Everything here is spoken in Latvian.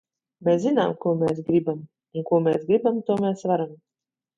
Mēs zinām, ko mēs gribam! Un ko mēs gribam, to mēs varam!